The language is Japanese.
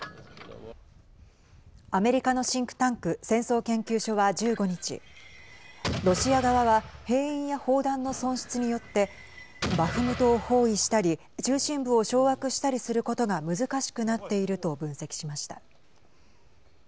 アメリカのシンクタンク戦争研究所は１５日ロシア側は兵員や砲弾の損失によってバフムトを包囲したり中心部を掌握したりすることが難しくなっていると分析しました。